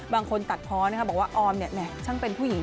บางคนตัดพ้อบอกว่าออมเนี่ยชั้นเป็นผู้หญิง